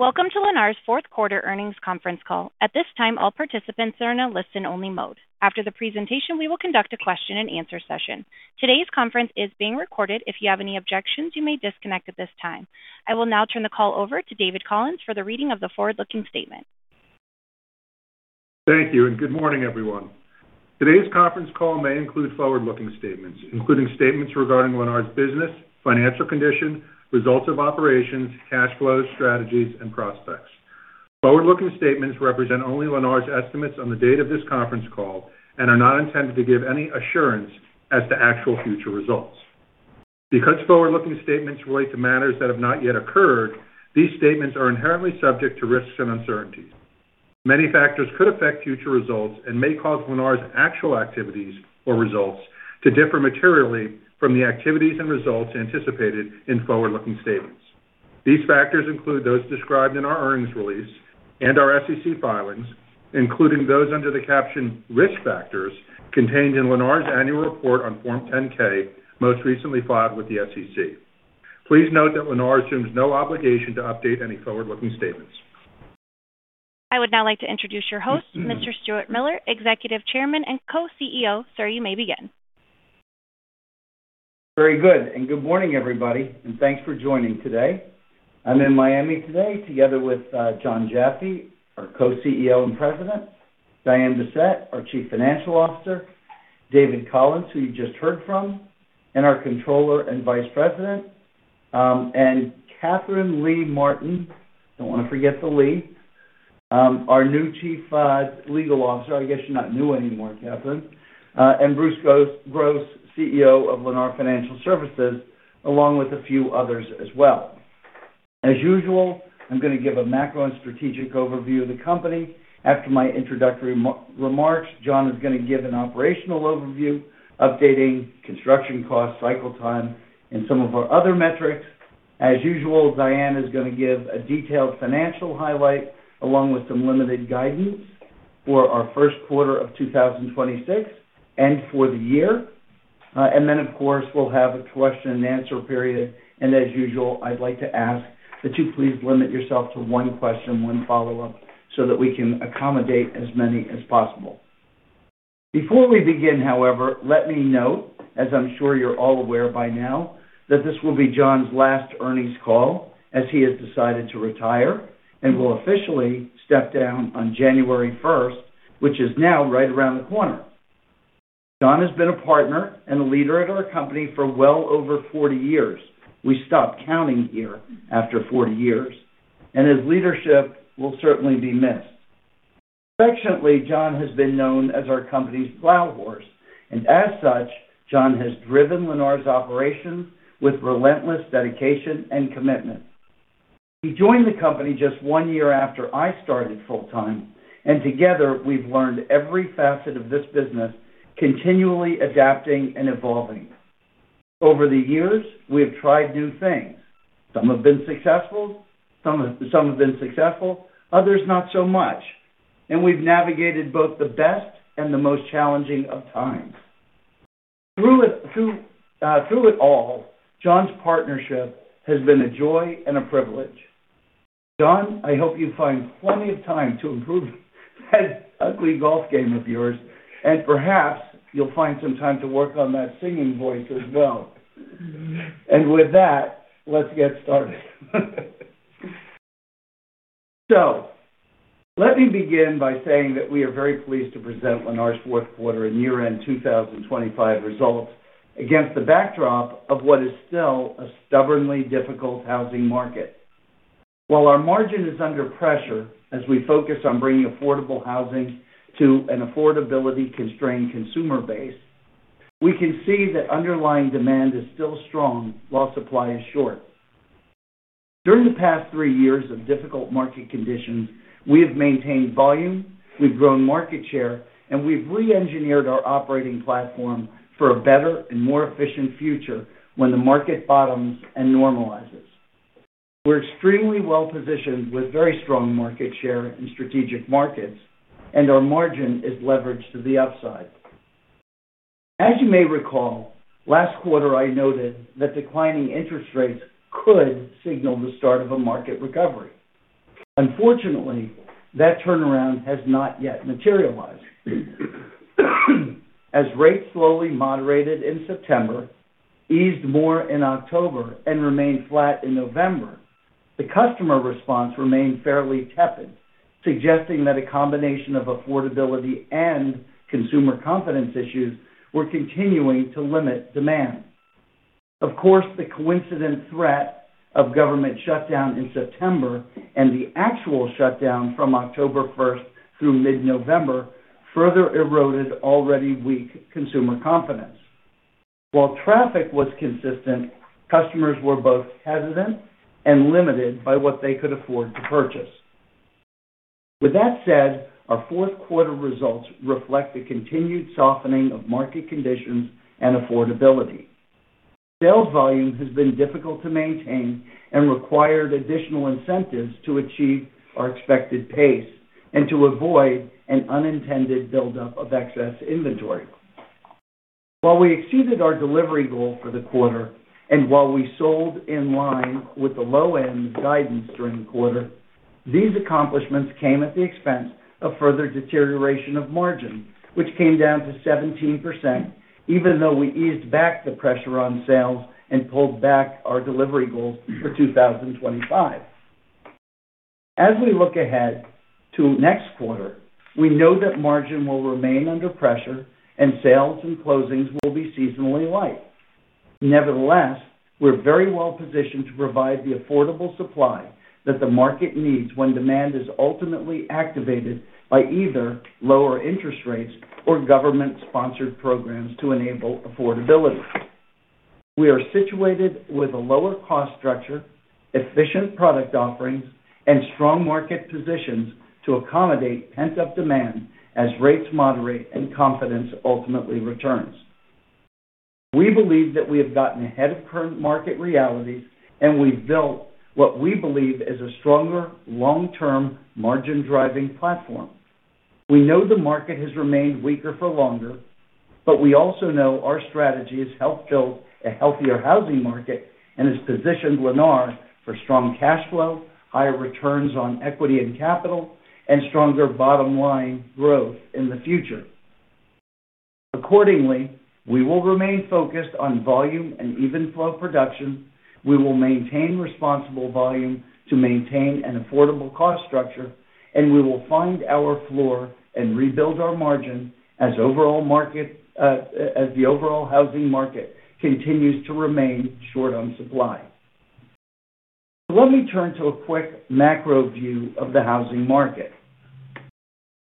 Welcome to Lennar's fourth quarter earnings conference call. At this time, all participants are in a listen-only mode. After the presentation, we will conduct a question-and-answer session. Today's conference is being recorded. If you have any objections, you may disconnect at this time. I will now turn the call over to David Collins for the reading of the forward-looking statement. Thank you, and good morning, everyone. Today's conference call may include forward-looking statements, including statements regarding Lennar's business, financial condition, results of operations, cash flows, strategies, and prospects. Forward-looking statements represent only Lennar's estimates on the date of this conference call and are not intended to give any assurance as to actual future results. Because forward-looking statements relate to matters that have not yet occurred, these statements are inherently subject to risks and uncertainties. Many factors could affect future results and may cause Lennar's actual activities or results to differ materially from the activities and results anticipated in forward-looking statements. These factors include those described in our earnings release and our SEC filings, including those under the captioned risk factors contained in Lennar's annual report on Form 10-K, most recently filed with the SEC. Please note that Lennar assumes no obligation to update any forward-looking statements. I would now like to introduce your host, Mr. Stuart Miller, Executive Chairman and Co-CEO. Sir, you may begin. Very good, and good morning, everybody, and thanks for joining today. I'm in Miami today together with Jon Jaffe, our Co-CEO and President, Diane Bessette, our Chief Financial Officer, David Collins, who you just heard from and our Controller and Vice President, and Katherine Lee Martin. Don't want to forget the Lee. Our new Chief Legal Officer, I guess you're not new anymore, Katherine, and Bruce Gross, CEO of Lennar Financial Services, along with a few others as well. As usual, I'm going to give a macro and strategic overview of the company. After my introductory remarks, Jon is going to give an operational overview, updating construction costs, cycle time, and some of our other metrics. As usual, Diane is going to give a detailed financial highlight, along with some limited guidance for our first quarter of 2026 and for the year. Then, of course, we'll have a question-and-answer period. As usual, I'd like to ask that you please limit yourself to one question, one follow-up, so that we can accommodate as many as possible. Before we begin, however, let me note, as I'm sure you're all aware by now, that this will be Jon's last earnings call as he has decided to retire and will officially step down on January 1st, which is now right around the corner. Jon has been a partner and a leader at our company for well over 40 years. We stop counting here after 40 years, and his leadership will certainly be missed. Affectionately, Jon has been known as our company's plow horse, and as such, Jon has driven Lennar's operations with relentless dedication and commitment. He joined the company just one year after I started full-time, and together we've learned every facet of this business, continually adapting and evolving. Over the years, we have tried new things. Some have been successful. Some have been successful. Others, not so much. And we've navigated both the best and the most challenging of times. Through it all, Jon's partnership has been a joy and a privilege. Jon, I hope you find plenty of time to improve that ugly golf game of yours, and perhaps you'll find some time to work on that singing voice as well. And with that, let's get started. So let me begin by saying that we are very pleased to present Lennar's fourth quarter and year-end 2025 results against the backdrop of what is still a stubbornly difficult housing market. While our margin is under pressure as we focus on bringing affordable housing to an affordability-constrained consumer base, we can see that underlying demand is still strong while supply is short. During the past three years of difficult market conditions, we have maintained volume, we've grown market share, and we've re-engineered our operating platform for a better and more efficient future when the market bottoms and normalizes. We're extremely well positioned with very strong market share in strategic markets, and our margin is leveraged to the upside. As you may recall, last quarter I noted that declining interest rates could signal the start of a market recovery. Unfortunately, that turnaround has not yet materialized. As rates slowly moderated in September, eased more in October, and remained flat in November, the customer response remained fairly tepid, suggesting that a combination of affordability and consumer confidence issues were continuing to limit demand. Of course, the coincident threat of government shutdown in September and the actual shutdown from October 1st through mid-November further eroded already weak consumer confidence. While traffic was consistent, customers were both hesitant and limited by what they could afford to purchase. With that said, our fourth quarter results reflect a continued softening of market conditions and affordability. Sales volume has been difficult to maintain and required additional incentives to achieve our expected pace and to avoid an unintended buildup of excess inventory. While we exceeded our delivery goal for the quarter and while we sold in line with the low-end guidance during the quarter, these accomplishments came at the expense of further deterioration of margin, which came down to 17%, even though we eased back the pressure on sales and pulled back our delivery goals for 2025. As we look ahead to next quarter, we know that margin will remain under pressure and sales and closings will be seasonally light. Nevertheless, we're very well positioned to provide the affordable supply that the market needs when demand is ultimately activated by either lower interest rates or government-sponsored programs to enable affordability. We are situated with a lower-cost structure, efficient product offerings, and strong market positions to accommodate pent-up demand as rates moderate and confidence ultimately returns. We believe that we have gotten ahead of current market realities, and we've built what we believe is a stronger long-term margin-driving platform. We know the market has remained weaker for longer, but we also know our strategy has helped build a healthier housing market and has positioned Lennar for strong cash flow, higher returns on equity and capital, and stronger bottom-line growth in the future. Accordingly, we will remain focused on volume and even-flow production. We will maintain responsible volume to maintain an affordable cost structure, and we will find our floor and rebuild our margin as the overall housing market continues to remain short on supply. Let me turn to a quick macro view of the housing market.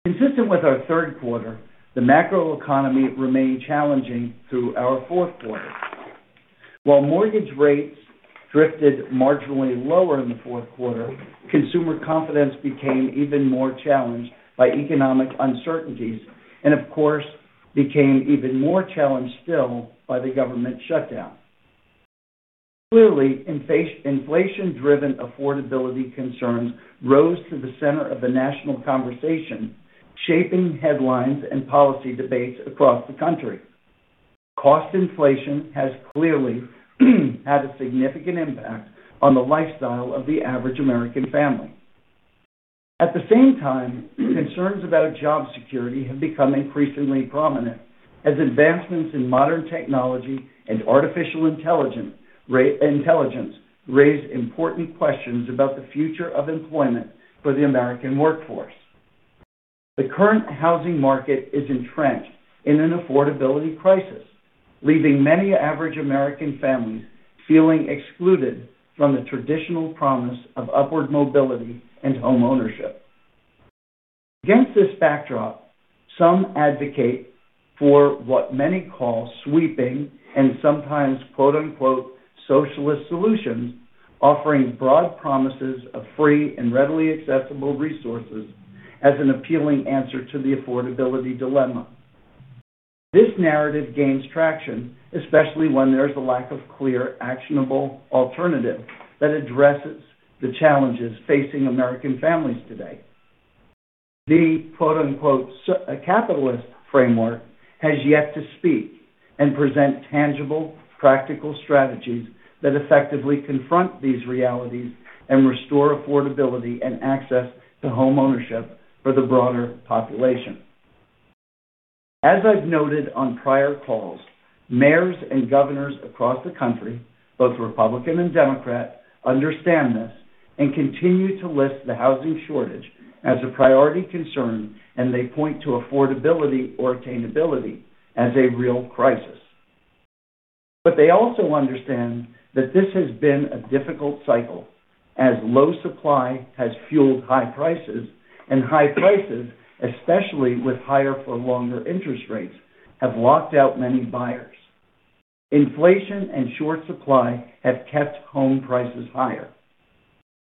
Consistent with our third quarter, the macro economy remained challenging through our fourth quarter. While mortgage rates drifted marginally lower in the fourth quarter, consumer confidence became even more challenged by economic uncertainties and, of course, became even more challenged still by the government shutdown. Clearly, inflation-driven affordability concerns rose to the center of the national conversation, shaping headlines and policy debates across the country. Cost inflation has clearly had a significant impact on the lifestyle of the average American family. At the same time, concerns about job security have become increasingly prominent as advancements in modern technology and artificial intelligence raise important questions about the future of employment for the American workforce. The current housing market is entrenched in an affordability crisis, leaving many average American families feeling excluded from the traditional promise of upward mobility and homeownership. Against this backdrop, some advocate for what many call sweeping and sometimes "socialist solutions," offering broad promises of free and readily accessible resources as an appealing answer to the affordability dilemma. This narrative gains traction, especially when there is a lack of clear, actionable alternatives that address the challenges facing American families today. The "capitalist framework" has yet to speak and present tangible, practical strategies that effectively confront these realities and restore affordability and access to homeownership for the broader population. As I've noted on prior calls, mayors and governors across the country, both Republican and Democrat, understand this and continue to list the housing shortage as a priority concern, and they point to affordability or attainability as a real crisis. But they also understand that this has been a difficult cycle as low supply has fueled high prices, and high prices, especially with higher-for-longer interest rates, have locked out many buyers. Inflation and short supply have kept home prices higher.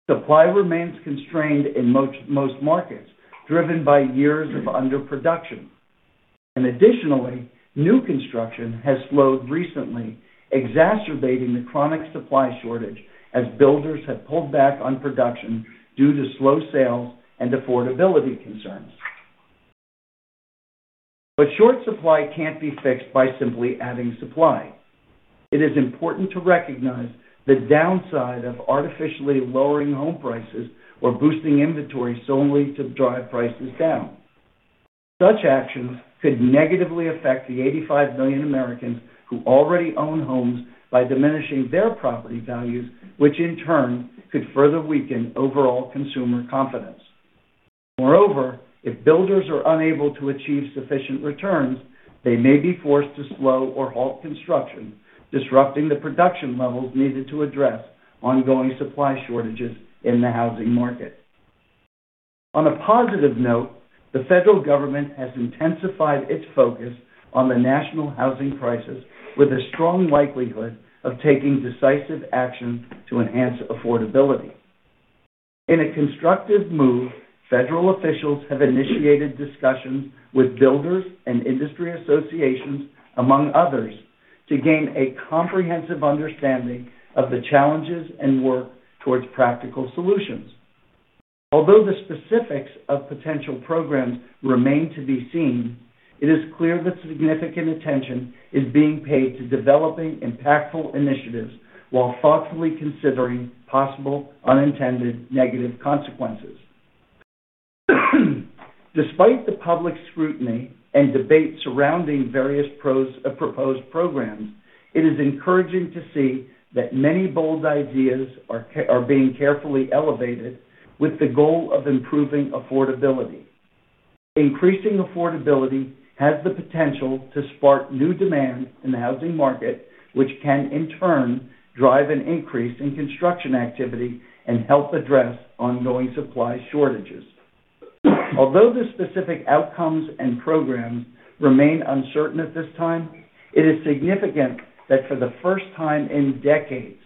Supply remains constrained in most markets, driven by years of underproduction. And additionally, new construction has slowed recently, exacerbating the chronic supply shortage as builders have pulled back on production due to slow sales and affordability concerns. But short supply can't be fixed by simply adding supply. It is important to recognize the downside of artificially lowering home prices or boosting inventory solely to drive prices down. Such actions could negatively affect the 85 million Americans who already own homes by diminishing their property values, which in turn could further weaken overall consumer confidence. Moreover, if builders are unable to achieve sufficient returns, they may be forced to slow or halt construction, disrupting the production levels needed to address ongoing supply shortages in the housing market. On a positive note, the federal government has intensified its focus on the national housing crisis with a strong likelihood of taking decisive action to enhance affordability. In a constructive move, federal officials have initiated discussions with builders and industry associations, among others, to gain a comprehensive understanding of the challenges and work towards practical solutions. Although the specifics of potential programs remain to be seen, it is clear that significant attention is being paid to developing impactful initiatives while thoughtfully considering possible unintended negative consequences. Despite the public scrutiny and debate surrounding various proposed programs, it is encouraging to see that many bold ideas are being carefully elevated with the goal of improving affordability. Increasing affordability has the potential to spark new demand in the housing market, which can, in turn, drive an increase in construction activity and help address ongoing supply shortages. Although the specific outcomes and programs remain uncertain at this time, it is significant that for the first time in decades,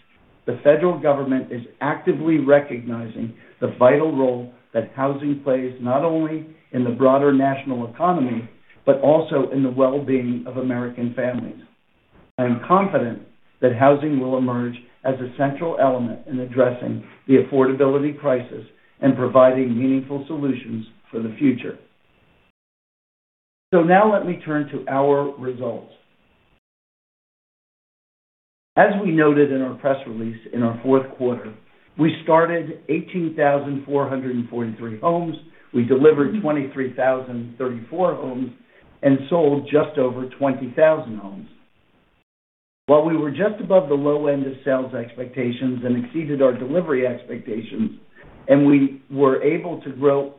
the federal government is actively recognizing the vital role that housing plays not only in the broader national economy but also in the well-being of American families. I am confident that housing will emerge as a central element in addressing the affordability crisis and providing meaningful solutions for the future. So now let me turn to our results. As we noted in our press release in our fourth quarter, we started 18,443 homes, we delivered 23,034 homes, and sold just over 20,000 homes. While we were just above the low end of sales expectations and exceeded our delivery expectations, and we were able to grow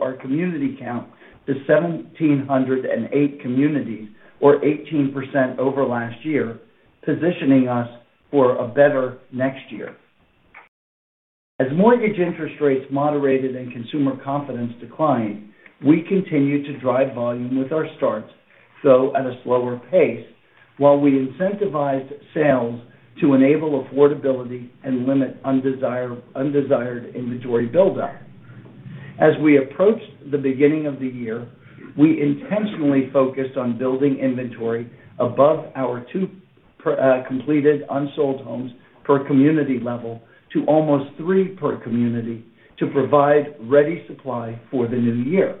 our community count to 1,708 communities, or 18% over last year, positioning us for a better next year. As mortgage interest rates moderated and consumer confidence declined, we continued to drive volume with our starts, though at a slower pace, while we incentivized sales to enable affordability and limit undesired inventory buildup. As we approached the beginning of the year, we intentionally focused on building inventory above our two completed unsold homes per community level to almost three per community to provide ready supply for the new year.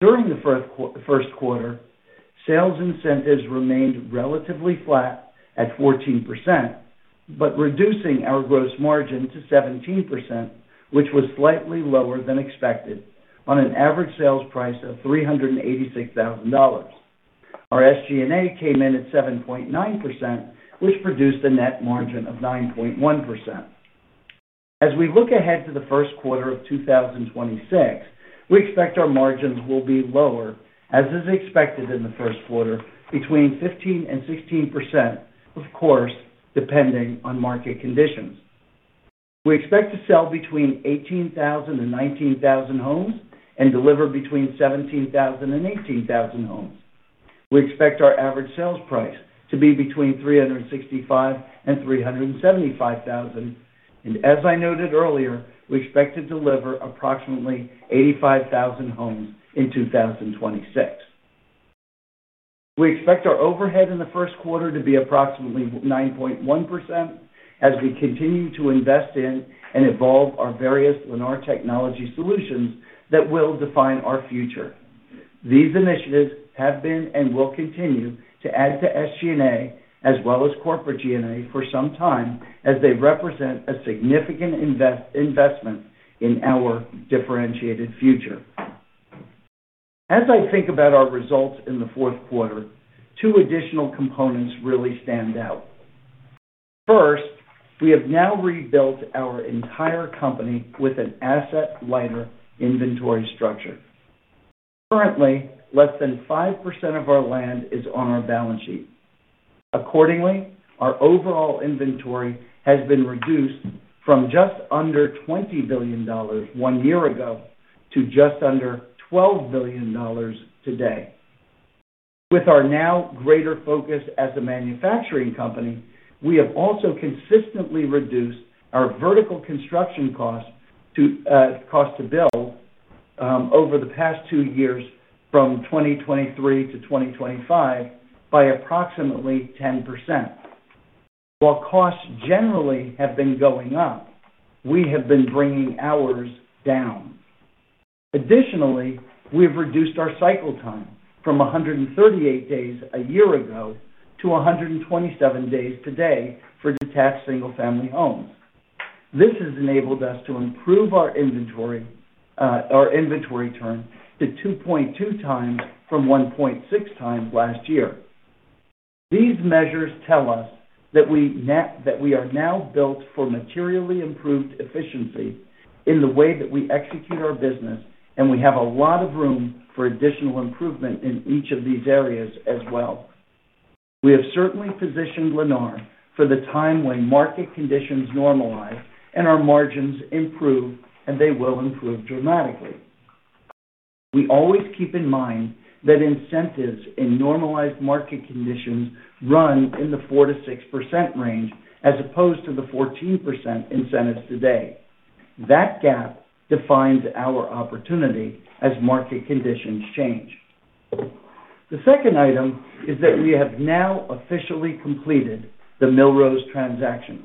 During the first quarter, sales incentives remained relatively flat at 14%, but reducing our gross margin to 17%, which was slightly lower than expected on an average sales price of $386,000. Our SG&A came in at 7.9%, which produced a net margin of 9.1%. As we look ahead to the first quarter of 2026, we expect our margins will be lower, as is expected in the first quarter, between 15% and 16%, of course, depending on market conditions. We expect to sell between 18,000 and 19,000 homes and deliver between 17,000 and 18,000 homes. We expect our average sales price to be between $365,000 and $375,000, and as I noted earlier, we expect to deliver approximately 85,000 homes in 2026. We expect our overhead in the first quarter to be approximately 9.1% as we continue to invest in and evolve our various Lennar technology solutions that will define our future. These initiatives have been and will continue to add to SG&A as well as corporate G&A for some time as they represent a significant investment in our differentiated future. As I think about our results in the fourth quarter, two additional components really stand out. First, we have now rebuilt our entire company with an asset-lighter inventory structure. Currently, less than 5% of our land is on our balance sheet. Accordingly, our overall inventory has been reduced from just under $20 billion one year ago to just under $12 billion today. With our now greater focus as a manufacturing company, we have also consistently reduced our vertical construction cost to build over the past two years from 2023 to 2025 by approximately 10%. While costs generally have been going up, we have been bringing ours down. Additionally, we have reduced our cycle time from 138 days a year ago to 127 days today for detached single-family homes. This has enabled us to improve our inventory turn to 2.2x from 1.6x last year. These measures tell us that we are now built for materially improved efficiency in the way that we execute our business, and we have a lot of room for additional improvement in each of these areas as well. We have certainly positioned Lennar for the time when market conditions normalize and our margins improve, and they will improve dramatically. We always keep in mind that incentives in normalized market conditions run in the 4%-6% range as opposed to the 14% incentives today. That gap defines our opportunity as market conditions change. The second item is that we have now officially completed the Millrose transaction.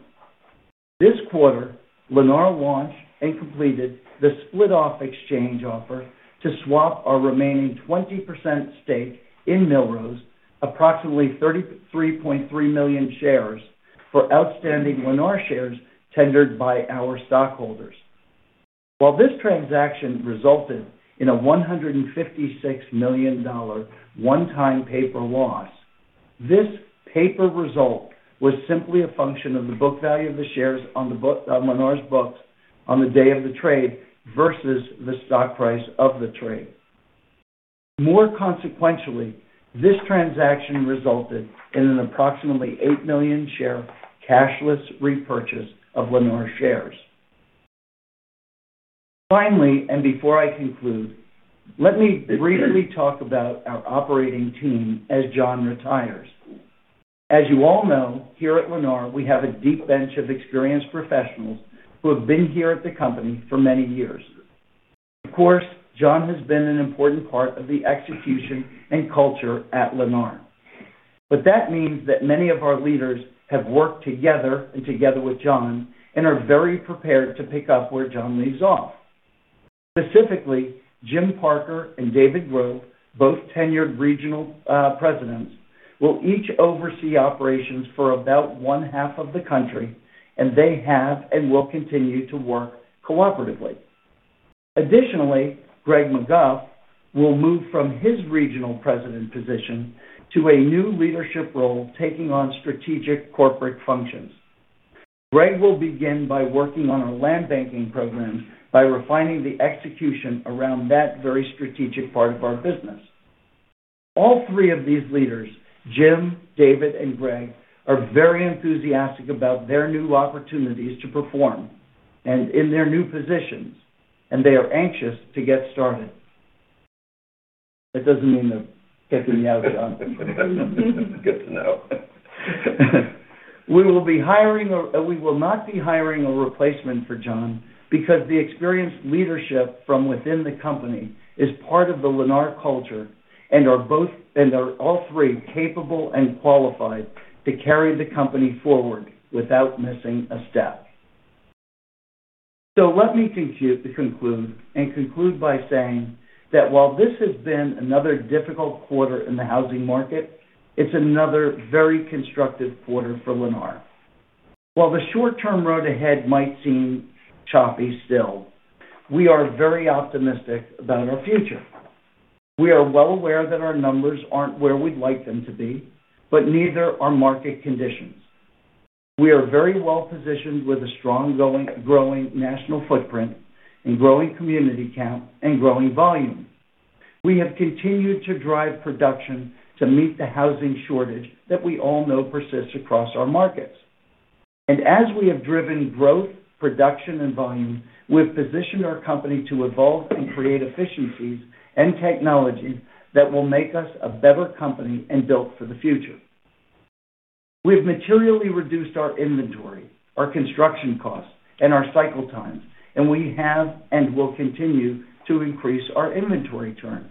This quarter, Lennar launched and completed the split-off exchange offer to swap our remaining 20% stake in Millrose, approximately 33.3 million shares, for outstanding Lennar shares tendered by our stockholders. While this transaction resulted in a $156 million one-time paper loss, this paper result was simply a function of the book value of the shares on Lennar's books on the day of the trade versus the stock price of the trade. More consequentially, this transaction resulted in an approximately 8 million share cashless repurchase of Lennar shares. Finally, and before I conclude, let me briefly talk about our operating team as Jon retires. As you all know, here at Lennar, we have a deep bench of experienced professionals who have been here at the company for many years. Of course, Jon has been an important part of the execution and culture at Lennar. But that means that many of our leaders have worked together and together with Jon and are very prepared to pick up where Jon leaves off. Specifically, Jim Parker and David Grohn, both tenured regional presidents, will each oversee operations for about one half of the country, and they have and will continue to work cooperatively. Additionally, Greg McGuff will move from his regional president position to a new leadership role taking on strategic corporate functions. Greg will begin by working on our land banking programs by refining the execution around that very strategic part of our business. All three of these leaders, Jim, David, and Greg, are very enthusiastic about their new opportunities to perform in their new positions, and they are anxious to get started. That doesn't mean they're kicking me out, Jon. Good to know. We will be hiring or we will not be hiring a replacement for Jon because the experienced leadership from within the company is part of the Lennar culture and are all three capable and qualified to carry the company forward without missing a step. So let me conclude by saying that while this has been another difficult quarter in the housing market, it's another very constructive quarter for Lennar. While the short-term road ahead might seem choppy still, we are very optimistic about our future. We are well aware that our numbers aren't where we'd like them to be, but neither are market conditions. We are very well positioned with a strong growing national footprint and growing community count and growing volume. We have continued to drive production to meet the housing shortage that we all know persists across our markets. And as we have driven growth, production, and volume, we have positioned our company to evolve and create efficiencies and technologies that will make us a better company and built for the future. We have materially reduced our inventory, our construction costs, and our cycle times, and we have and will continue to increase our inventory turn.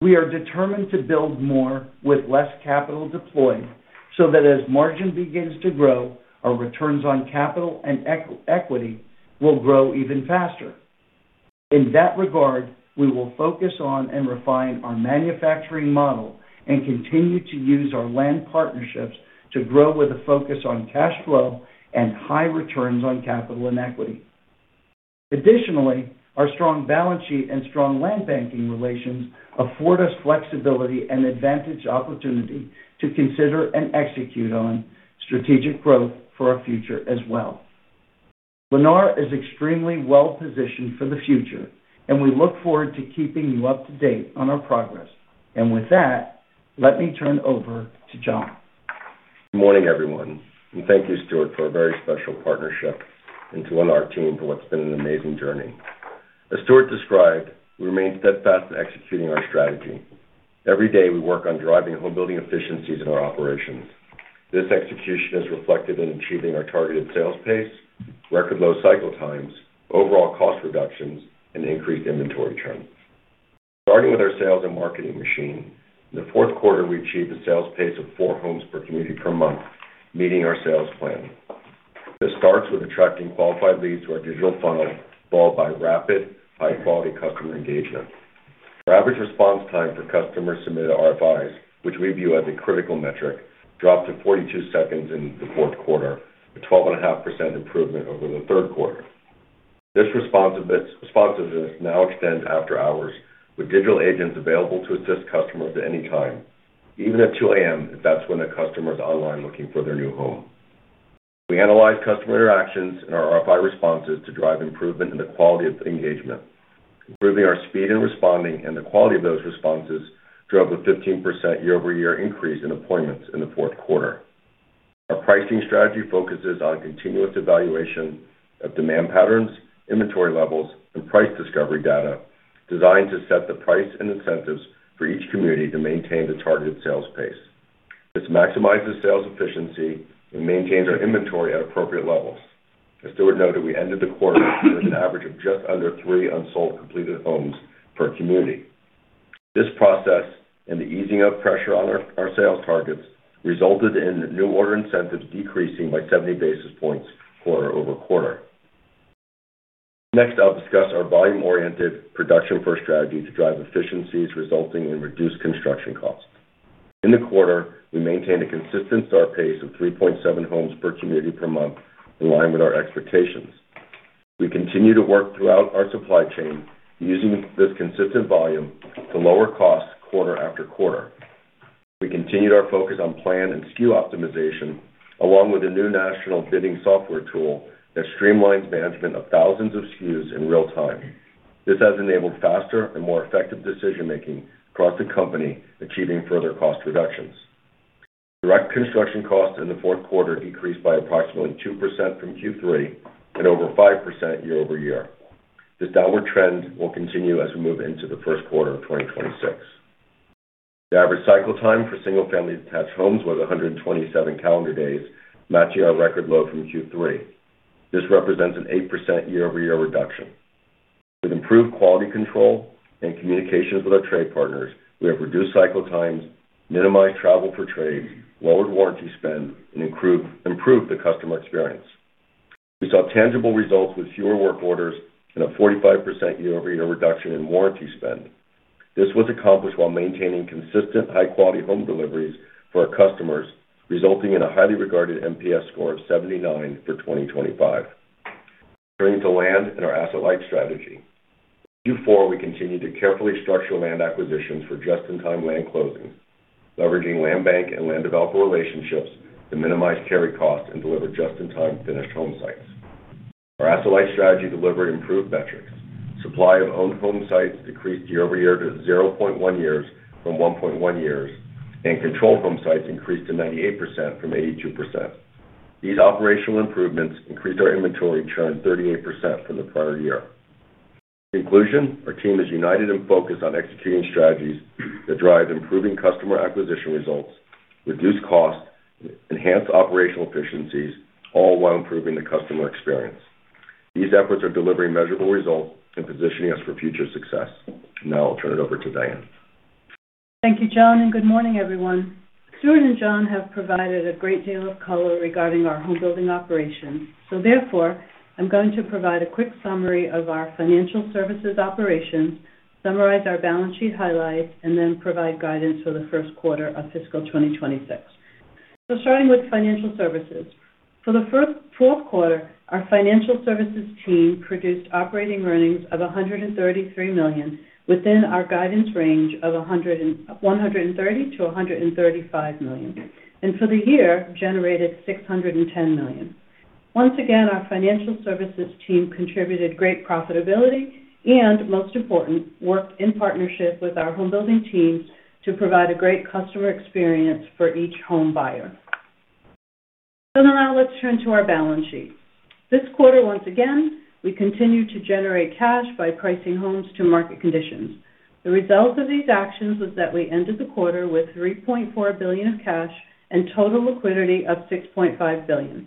We are determined to build more with less capital deployed so that as margin begins to grow, our returns on capital and equity will grow even faster. In that regard, we will focus on and refine our manufacturing model and continue to use our land partnerships to grow with a focus on cash flow and high returns on capital and equity. Additionally, our strong balance sheet and strong land banking relations afford us flexibility and advantage opportunity to consider and execute on strategic growth for our future as well. Lennar is extremely well positioned for the future, and we look forward to keeping you up to date on our progress. And with that, let me turn over to Jon. Good morning, everyone. And thank you, Stuart, for a very special partnership with the Lennar team for what's been an amazing journey. As Stuart described, we remain steadfast in executing our strategy. Every day, we work on driving home building efficiencies in our operations. This execution is reflected in achieving our targeted sales pace, record low cycle times, overall cost reductions, and increased inventory turn. Starting with our sales and marketing machine, in the fourth quarter, we achieved a sales pace of four homes per community per month, meeting our sales plan. This starts with attracting qualified leads to our digital funnel, followed by rapid, high-quality customer engagement. Our average response time for customers submitted RFIs, which we view as a critical metric, dropped to 42 seconds in the fourth quarter, a 12.5% improvement over the third quarter. This responsiveness now extends after hours, with digital agents available to assist customers at any time, even at 2:00 A.M. if that's when a customer is online looking for their new home. We analyze customer interactions and our RFI responses to drive improvement in the quality of engagement. Improving our speed in responding and the quality of those responses drove a 15% year-over-year increase in appointments in the fourth quarter. Our pricing strategy focuses on continuous evaluation of demand patterns, inventory levels, and price discovery data designed to set the price and incentives for each community to maintain the targeted sales pace. This maximizes sales efficiency and maintains our inventory at appropriate levels. As Stuart noted, we ended the quarter with an average of just under three unsold completed homes per community. This process and the easing of pressure on our sales targets resulted in new order incentives decreasing by 70 basis points quarter-over-quarter. Next, I'll discuss our volume-oriented production-first strategy to drive efficiencies resulting in reduced construction costs. In the quarter, we maintained a consistent start pace of 3.7 homes per community per month in line with our expectations. We continue to work throughout our supply chain using this consistent volume to lower costs quarter after quarter. We continued our focus on plan and SKU optimization along with a new national bidding software tool that streamlines management of thousands of SKUs in real time. This has enabled faster and more effective decision-making across the company, achieving further cost reductions. Direct construction costs in the fourth quarter decreased by approximately 2% from Q3 and over 5% year-over-year. This downward trend will continue as we move into the first quarter of 2026. The average cycle time for single-family detached homes was 127 calendar days, matching our record low from Q3. This represents an 8% year-over-year reduction. With improved quality control and communications with our trade partners, we have reduced cycle times, minimized travel for trades, lowered warranty spend, and improved the customer experience. We saw tangible results with fewer work orders and a 45% year-over-year reduction in warranty spend. This was accomplished while maintaining consistent high-quality home deliveries for our customers, resulting in a highly regarded NPS score of 79 for 2025. Turning to land and our asset-light strategy. Q4, we continued to carefully structure land acquisitions for just-in-time land closings, leveraging land bank and land developer relationships to minimize carry costs and deliver just-in-time finished home sites. Our asset-light strategy delivered improved metrics. Supply of owned home sites decreased year-over-year to 0.1 years from 1.1 years, and controlled home sites increased to 98% from 82%. These operational improvements increased our inventory churn 38% from the prior year. In conclusion, our team is united and focused on executing strategies that drive improving customer acquisition results, reduce costs, and enhance operational efficiencies, all while improving the customer experience. These efforts are delivering measurable results and positioning us for future success. Now, I'll turn it over to Diane. Thank you, Jon, and good morning, everyone. Stuart and Jon have provided a great deal of color regarding our home building operations. Therefore, I'm going to provide a quick summary of our financial services operations, summarize our balance sheet highlights, and then provide guidance for the first quarter of fiscal 2026. Starting with financial services. For the fourth quarter, our financial services team produced operating earnings of $133 million within our guidance range of $130 million-$135 million. For the year, generated $610 million. Once again, our financial services team contributed great profitability and, most important, worked in partnership with our home building teams to provide a great customer experience for each home buyer. Now let's turn to our balance sheet. This quarter, once again, we continued to generate cash by pricing homes to market conditions. The result of these actions was that we ended the quarter with $3.4 billion of cash and total liquidity of $6.5 billion.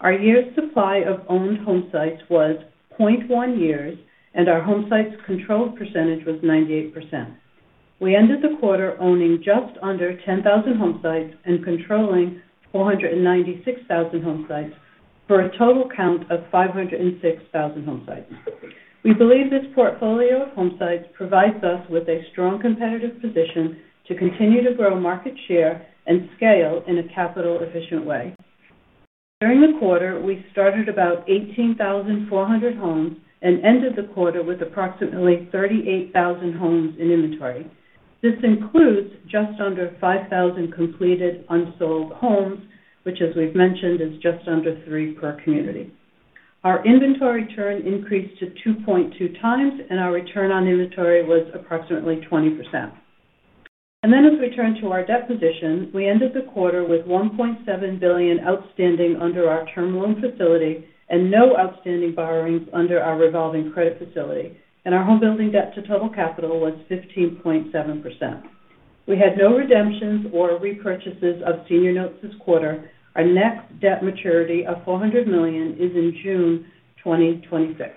Our year's supply of owned home sites was 0.1 years, and our home sites controlled percentage was 98%. We ended the quarter owning just under 10,000 home sites and controlling 496,000 home sites for a total count of 506,000 home sites. We believe this portfolio of home sites provides us with a strong competitive position to continue to grow market share and scale in a capital-efficient way. During the quarter, we started about 18,400 homes and ended the quarter with approximately 38,000 homes in inventory. This includes just under 5,000 completed unsold homes, which, as we've mentioned, is just under three per community. Our inventory churn increased to 2.2 times, and our return on inventory was approximately 20%, and then, as we turn to our debt position, we ended the quarter with $1.7 billion outstanding under our term loan facility and no outstanding borrowings under our revolving credit facility. Our home building debt to total capital was 15.7%. We had no redemptions or repurchases of senior notes this quarter. Our next debt maturity of $400 million is in June 2026.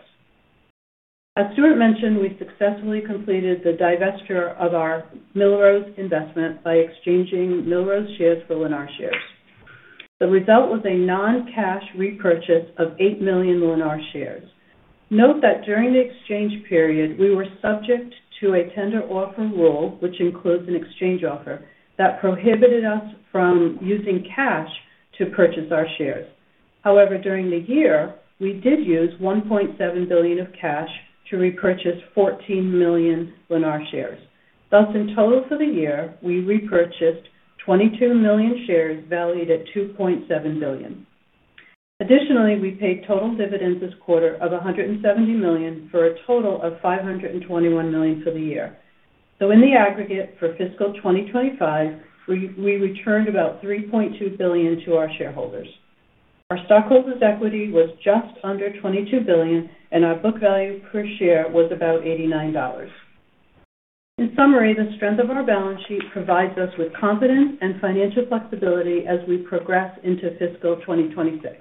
As Stuart mentioned, we successfully completed the divestiture of our Millrose investment by exchanging Millrose shares for Lennar shares. The result was a non-cash repurchase of 8 million Lennar shares. Note that during the exchange period, we were subject to a tender offer rule, which includes an exchange offer, that prohibited us from using cash to purchase our shares. However, during the year, we did use $1.7 billion of cash to repurchase 14 million Lennar shares. Thus, in total for the year, we repurchased 22 million shares valued at $2.7 billion. Additionally, we paid total dividends this quarter of $170 million for a total of $521 million for the year. In the aggregate for fiscal 2025, we returned about $3.2 billion to our shareholders. Our stockholders' equity was just under $22 billion, and our book value per share was about $89. In summary, the strength of our balance sheet provides us with confidence and financial flexibility as we progress into fiscal 2026.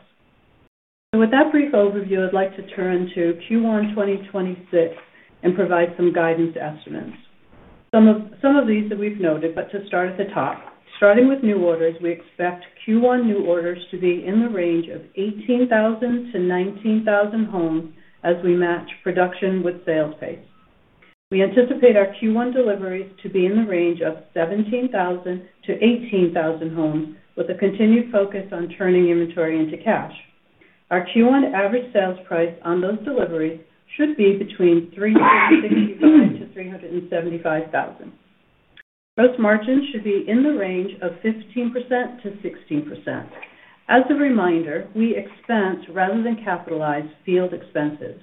With that brief overview, I'd like to turn to Q1 2026 and provide some guidance estimates. Some of these that we've noted. But to start at the top. Starting with new orders, we expect Q1 new orders to be in the range of 18,000-19,000 homes as we match production with sales pace. We anticipate our Q1 deliveries to be in the range of 17,000-18,000 homes with a continued focus on turning inventory into cash. Our Q1 average sales price on those deliveries should be between $365,000-$375,000. Gross margin should be in the range of 15%-16%. As a reminder, we expense rather than capitalize field expenses.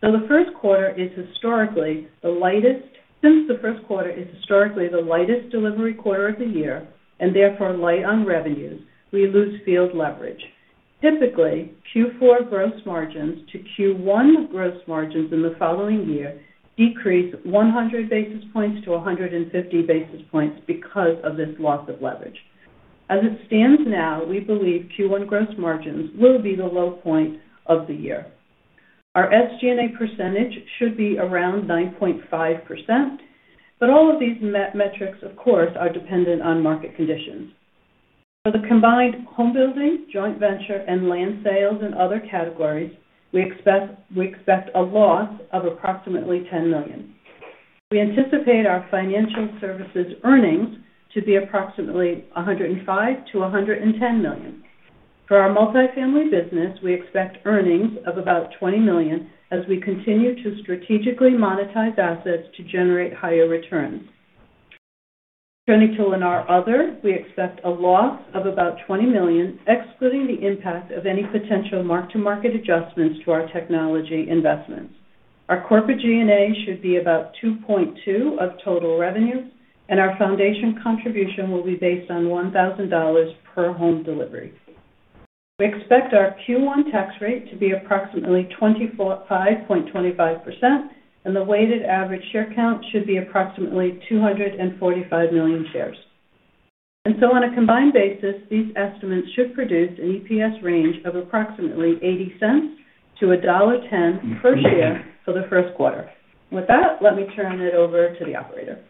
So, the first quarter is historically the lightest. Since the first quarter is historically the lightest delivery quarter of the year and therefore light on revenues, we lose field leverage. Typically, Q4 gross margins to Q1 gross margins in the following year decrease 100 basis points to 150 basis points because of this loss of leverage. As it stands now, we believe Q1 gross margins will be the low point of the year. Our SG&A percentage should be around 9.5%, but all of these metrics, of course, are dependent on market conditions. For the combined home building, joint venture, and land sales and other categories, we expect a loss of approximately $10 million. We anticipate our financial services earnings to be approximately $105 million-$110 million. For our multi-family business, we expect earnings of about $20 million as we continue to strategically monetize assets to generate higher returns. Turning to Lennar Other, we expect a loss of about $20 million, excluding the impact of any potential mark-to-market adjustments to our technology investments. Our corporate G&A should be about 2.2% of total revenues, and our foundation contribution will be based on $1,000 per home delivery. We expect our Q1 tax rate to be approximately 25.25%, and the weighted average share count should be approximately 245 million shares. And so, on a combined basis, these estimates should produce an EPS range of approximately $0.80 to $1.10 per share for the first quarter. With that, let me turn it over to the operator.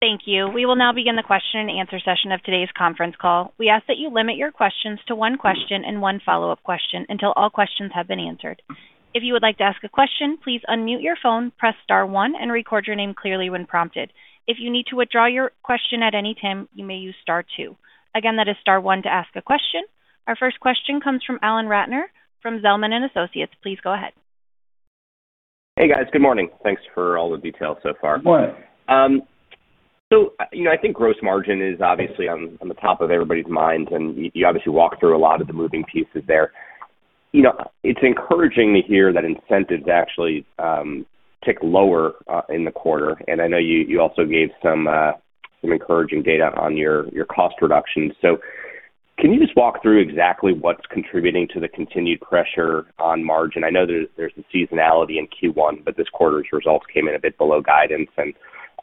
Thank you. We will now begin the question-and-answer session of today's conference call. We ask that you limit your questions to one question and one follow-up question until all questions have been answered. If you would like to ask a question, please unmute your phone, press Star one, and record your name clearly when prompted. If you need to withdraw your question at any time, you may use Star 2. Again, that is Star 1 to ask a question. Our first question comes from Alan Ratner from Zelman & Associates. Please go ahead. Hey, guys. Good morning. Thanks for all the details so far. Good morning. So I think gross margin is obviously on the top of everybody's minds, and you obviously walked through a lot of the moving pieces there. It's encouraging to hear that incentives actually tick lower in the quarter. And I know you also gave some encouraging data on your cost reductions. So can you just walk through exactly what's contributing to the continued pressure on margin? I know there's the seasonality in Q1, but this quarter's results came in a bit below guidance. And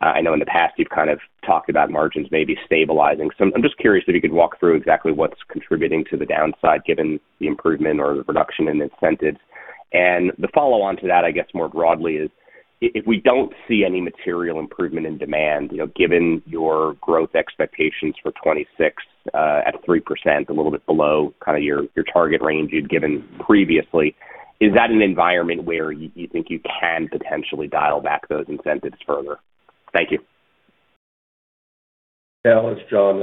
I know in the past you've kind of talked about margins maybe stabilizing. So I'm just curious if you could walk through exactly what's contributing to the downside given the improvement or the reduction in incentives. And the follow-on to that, I guess more broadly, is if we don't see any material improvement in demand, given your growth expectations for 2026 at 3%, a little bit below kind of your target range you'd given previously, is that an environment where you think you can potentially dial back those incentives further? Thank you. Yeah. Jon,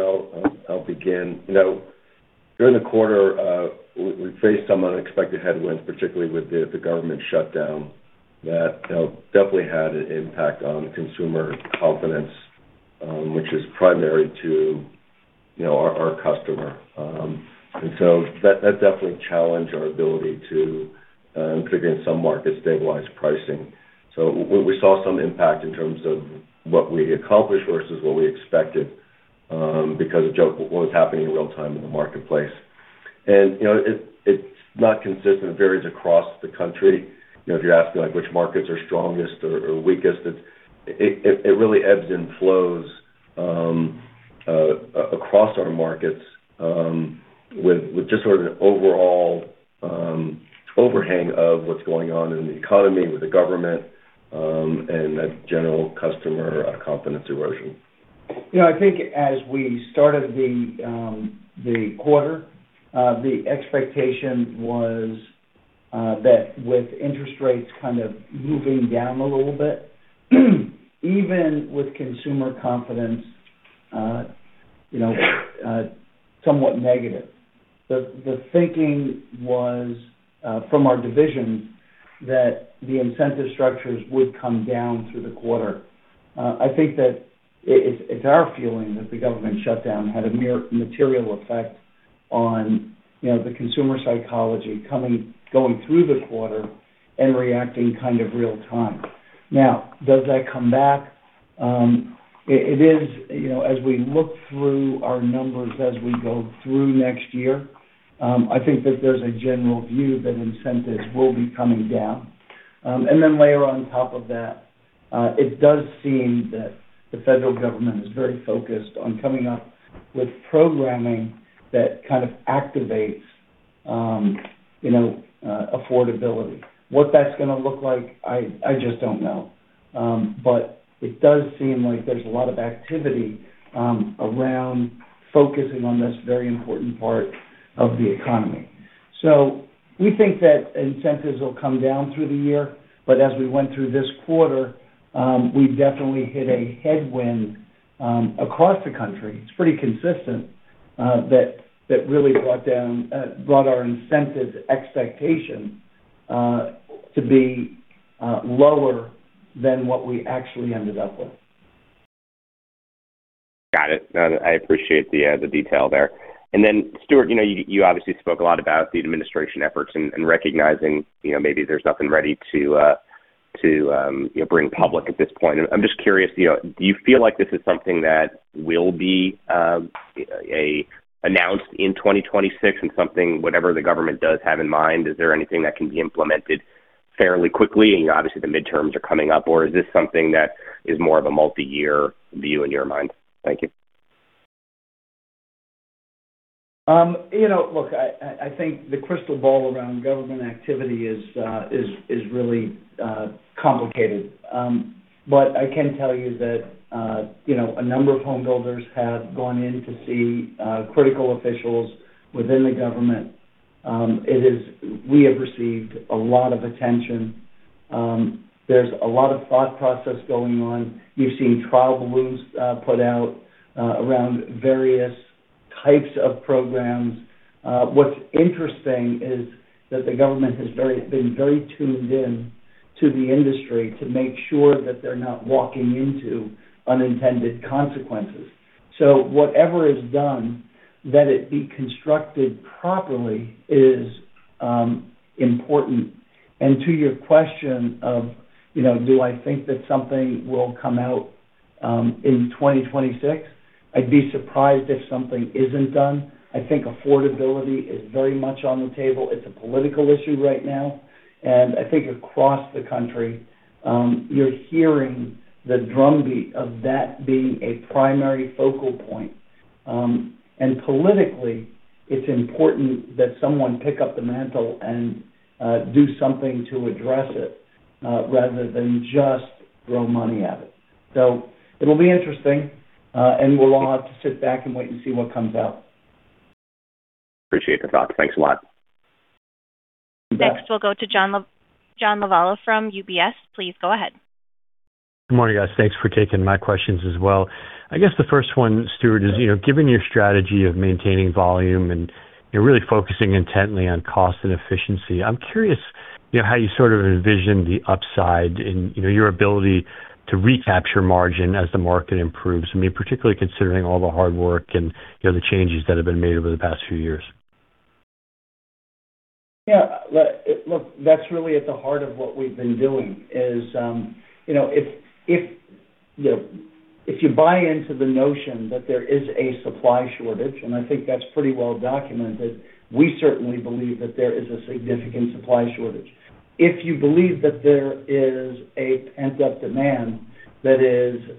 I'll begin. During the quarter, we faced some unexpected headwinds, particularly with the government shutdown. That definitely had an impact on consumer confidence, which is primary to our customer. And so that definitely challenged our ability to, in particular, in some markets, stabilize pricing. So we saw some impact in terms of what we accomplished versus what we expected because of what was happening in real time in the marketplace. And it's not consistent. It varies across the country. If you're asking which markets are strongest or weakest, it really ebbs and flows across our markets with just sort of an overall overhang of what's going on in the economy with the government and general customer confidence erosion. Yeah. I think as we started the quarter, the expectation was that with interest rates kind of moving down a little bit, even with consumer confidence somewhat negative, the thinking was from our divisions that the incentive structures would come down through the quarter. I think that it's our feeling that the government shutdown had a material effect on the consumer psychology going through the quarter and reacting, kind of, real time. Now, does that come back? It is as we look through our numbers as we go through next year. I think that there's a general view that incentives will be coming down, and then layer on top of that, it does seem that the federal government is very focused on coming up with programming that kind of activates affordability. What that's going to look like, I just don't know, but it does seem like there's a lot of activity around focusing on this very important part of the economy, so we think that incentives will come down through the year, but as we went through this quarter, we definitely hit a headwind across the country. It's pretty consistent that really brought our incentive expectation to be lower than what we actually ended up with. Got it. I appreciate the detail there. And then, Stuart, you obviously spoke a lot about the administration efforts and recognizing maybe there's nothing ready to bring public at this point. I'm just curious, do you feel like this is something that will be announced in 2026 and something whatever the government does have in mind? Is there anything that can be implemented fairly quickly? And obviously, the midterms are coming up. Or is this something that is more of a multi-year view in your mind? Thank you. Look, I think the crystal ball around government activity is really complicated. But I can tell you that a number of home builders have gone in to see critical officials within the government. We have received a lot of attention. There's a lot of thought process going on. You've seen trial balloons put out around various types of programs. What's interesting is that the government has been very tuned in to the industry to make sure that they're not walking into unintended consequences. So whatever is done, that it be constructed properly is important. And to your question of, do I think that something will come out in 2026? I'd be surprised if something isn't done. I think affordability is very much on the table. It's a political issue right now. And I think across the country, you're hearing the drumbeat of that being a primary focal point. And politically, it's important that someone pick up the mantle and do something to address it rather than just throw money at it. So it'll be interesting, and we'll all have to sit back and wait and see what comes out. Appreciate the thoughts. Thanks a lot. Next, we'll go to John Lovallo from UBS. Please go ahead. Good morning, guys. Thanks for taking my questions as well. I guess the first one, Stuart, is given your strategy of maintaining volume and really focusing intently on cost and efficiency, I'm curious how you sort of envision the upside in your ability to recapture margin as the market improves, I mean, particularly considering all the hard work and the changes that have been made over the past few years. Yeah. Look, that's really at the heart of what we've been doing is if you buy into the notion that there is a supply shortage, and I think that's pretty well documented, we certainly believe that there is a significant supply shortage. If you believe that there is a pent-up demand that is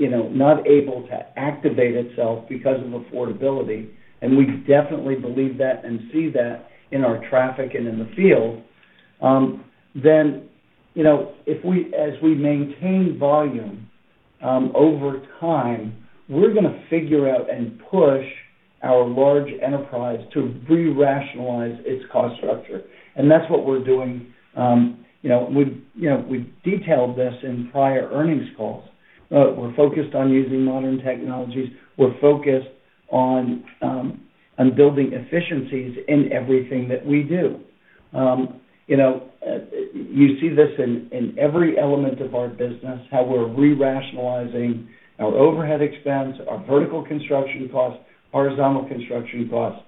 not able to activate itself because of affordability, and we definitely believe that and see that in our traffic and in the field, then as we maintain volume over time, we're going to figure out and push our large enterprise to re-rationalize its cost structure, and that's what we're doing. We've detailed this in prior earnings calls. We're focused on using modern technologies. We're focused on building efficiencies in everything that we do. You see this in every element of our business, how we're re-rationalizing our overhead expense, our vertical construction costs, horizontal construction costs,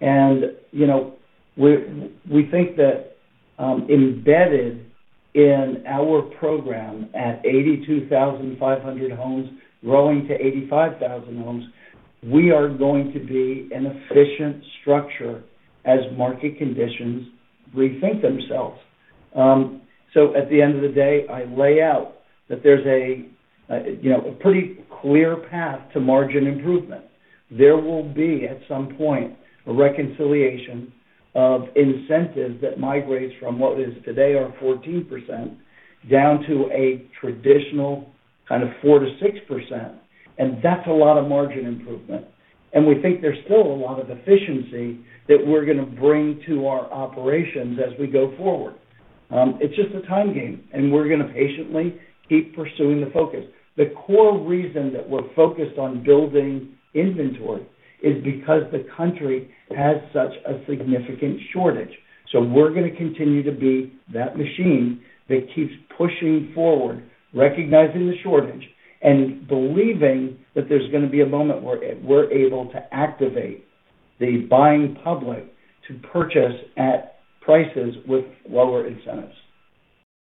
and we think that embedded in our program at 82,500 homes growing to 85,000 homes, we are going to be an efficient structure as market conditions rethink themselves. So at the end of the day, I lay out that there's a pretty clear path to margin improvement. There will be, at some point, a reconciliation of incentives that migrates from what is today our 14% down to a traditional kind of 4%-6%. And that's a lot of margin improvement. And we think there's still a lot of efficiency that we're going to bring to our operations as we go forward. It's just a time game. And we're going to patiently keep pursuing the focus. The core reason that we're focused on building inventory is because the country has such a significant shortage. So we're going to continue to be that machine that keeps pushing forward, recognizing the shortage and believing that there's going to be a moment where we're able to activate the buying public to purchase at prices with lower incentives.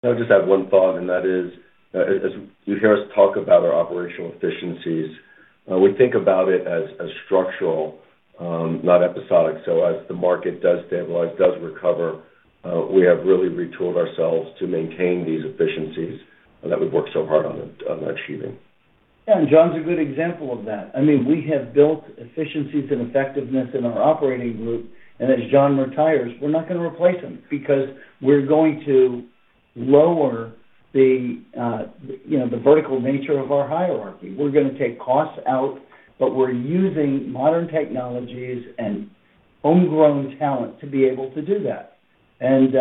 I'll just add one thought, and that is, as you hear us talk about our operational efficiencies, we think about it as structural, not episodic. So as the market does stabilize, does recover, we have really retooled ourselves to maintain these efficiencies that we've worked so hard on achieving. Yeah. And Jon is a good example of that. I mean, we have built efficiencies and effectiveness in our operating group. And as Jon retires, we're not going to replace him because we're going to lower the vertical nature of our hierarchy. We're going to take costs out, but we're using modern technologies and homegrown talent to be able to do that. And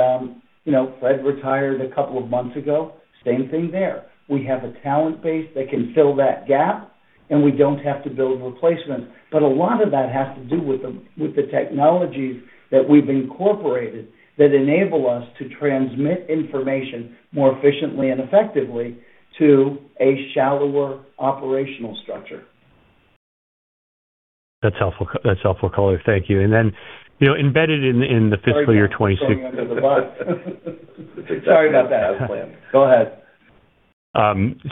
Fred retired a couple of months ago. Same thing there. We have a talent base that can fill that gap, and we don't have to build replacements. But a lot of that has to do with the technologies that we've incorporated that enable us to transmit information more efficiently and effectively to a shallower operational structure. That's helpful color. Thank you. And then embedded in the fiscal year 2026. Sorry about that. Go ahead.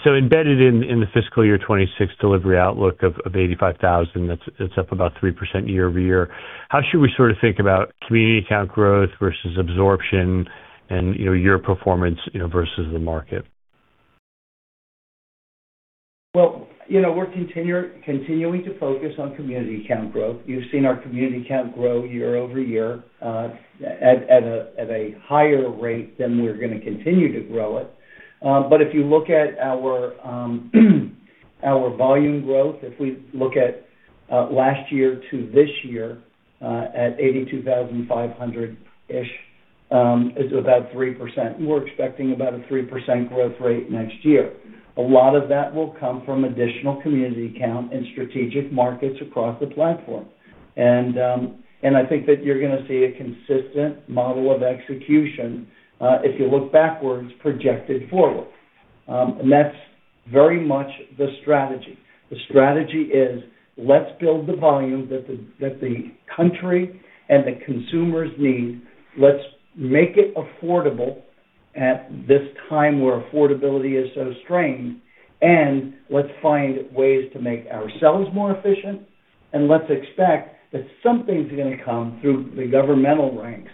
So embedded in the fiscal year 2026 delivery outlook of 85,000, it's up about 3% year-over-year. How should we sort of think about community count growth versus absorption and your performance versus the market? Well, we're continuing to focus on community count growth. You've seen our community count grow year-over-year at a higher rate than we're going to continue to grow it. But if you look at our volume growth, if we look at last year to this year at 82,500-ish, it's about 3%. We're expecting about a 3% growth rate next year. A lot of that will come from additional community count and strategic markets across the platform, and I think that you're going to see a consistent model of execution if you look backwards, projected forward, and that's very much the strategy. The strategy is, let's build the volume that the country and the consumers need. Let's make it affordable at this time where affordability is so strained, and let's find ways to make ourselves more efficient, and let's expect that something's going to come through the governmental ranks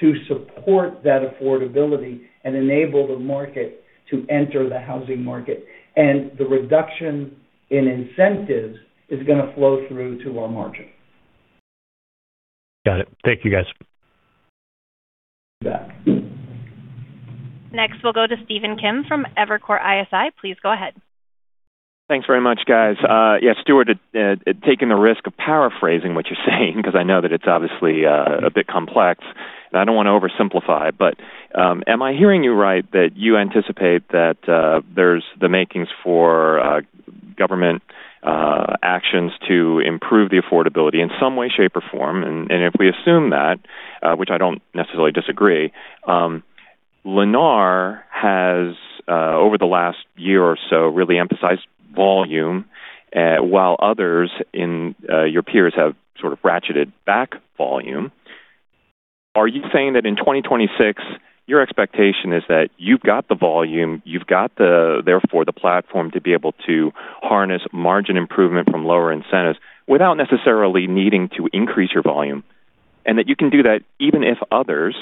to support that affordability and enable the market to enter the housing market, and the reduction in incentives is going to flow through to our margin. Got it. Thank you, guys. Next, we'll go to Stephen Kim from Evercore ISI. Please go ahead. Thanks very much, guys. Yeah. Stuart had taken the risk of paraphrasing what you're saying because I know that it's obviously a bit complex. And I don't want to oversimplify, but am I hearing you right that you anticipate that there's the makings for government actions to improve the affordability in some way, shape, or form? And if we assume that, which I don't necessarily disagree, Lennar has, over the last year or so, really emphasized volume, while others in your peers have sort of ratcheted back volume. Are you saying that in 2026, your expectation is that you've got the volume, you've got, therefore, the platform to be able to harness margin improvement from lower incentives without necessarily needing to increase your volume, and that you can do that even if others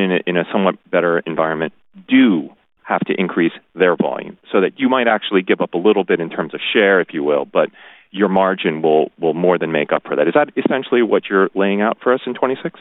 in a somewhat better environment do have to increase their volume so that you might actually give up a little bit in terms of share, if you will, but your margin will more than make up for that? Is that essentially what you're laying out for us in 2026?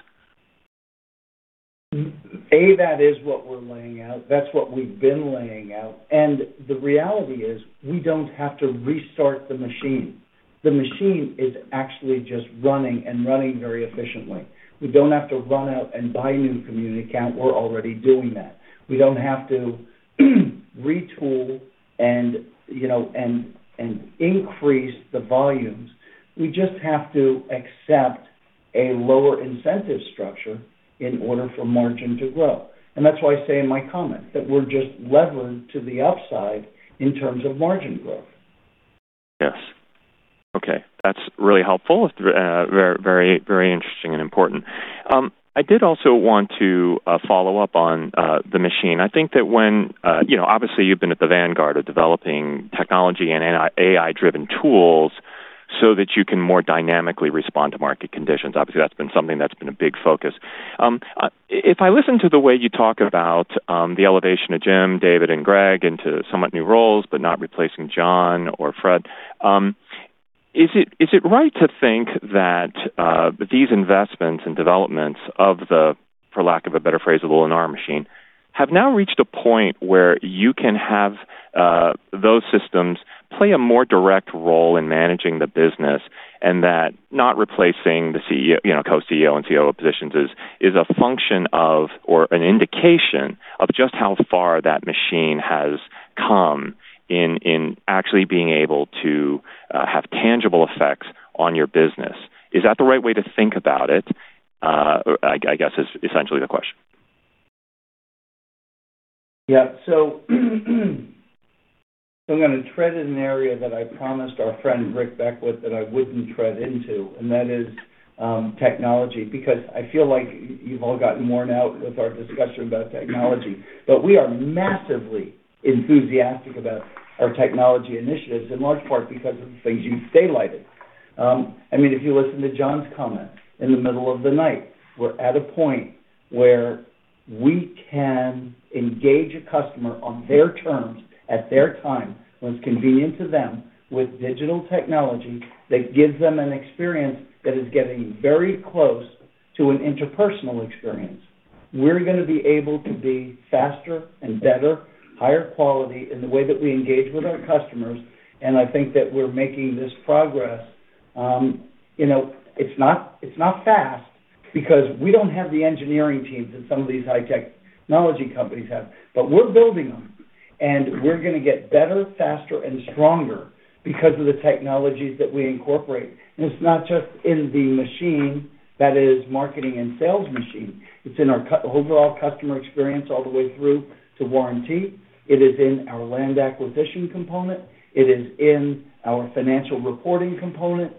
Yeah, that is what we're laying out. That's what we've been laying out. And the reality is we don't have to restart the machine. The machine is actually just running and running very efficiently. We don't have to run out and buy new community count. We're already doing that. We don't have to retool and increase the volumes. We just have to accept a lower incentive structure in order for margin to grow. And that's why I say in my comments that we're just levered to the upside in terms of margin growth. Yes. Okay. That's really helpful. Very interesting and important. I did also want to follow up on the machine. I think that when obviously, you've been at the vanguard of developing technology and AI-driven tools so that you can more dynamically respond to market conditions. Obviously, that's been something that's been a big focus. If I listen to the way you talk about the elevation of Jim, David, and Greg into somewhat new roles, but not replacing Jon or Fred, is it right to think that these investments and developments of the, for lack of a better phrase, the Lennar machine, have now reached a point where you can have those systems play a more direct role in managing the business and that not replacing the Co-CEO and COO positions is a function of or an indication of just how far that machine has come in actually being able to have tangible effects on your business? Is that the right way to think about it? I guess is essentially the question. Yeah. So I'm going to tread in an area that I promised our friend Rick Beckwitt that I wouldn't tread into, and that is technology, because I feel like you've all gotten worn out with our discussion about technology. But we are massively enthusiastic about our technology initiatives, in large part because of the things you've daylighted. I mean, if you listen to Jon's comment in the middle of the night, we're at a point where we can engage a customer on their terms at their time when it's convenient to them with digital technology that gives them an experience that is getting very close to an interpersonal experience. We're going to be able to be faster and better, higher quality in the way that we engage with our customers. And I think that we're making this progress. It's not fast because we don't have the engineering teams that some of these high-tech technology companies have, but we're building them. And we're going to get better, faster, and stronger because of the technologies that we incorporate. And it's not just in the machine that is marketing and sales machine. It's in our overall customer experience all the way through to warranty. It is in our land acquisition component. It is in our financial reporting component.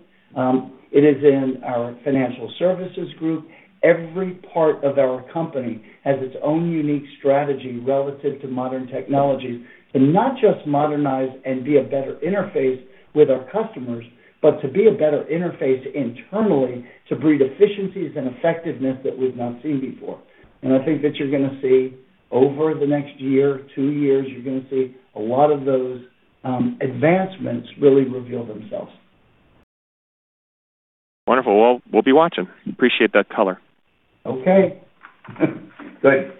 It is in our financial services group. Every part of our company has its own unique strategy relative to modern technologies to not just modernize and be a better interface with our customers, but to be a better interface internally to breed efficiencies and effectiveness that we've not seen before. And I think that you're going to see over the next year, two years, you're going to see a lot of those advancements really reveal themselves. Wonderful. Well, we'll be watching. Appreciate that color. Okay. Good.